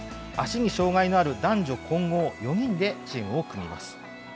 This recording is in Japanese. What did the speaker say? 足に障害のある男女混合４人でチームを組みます。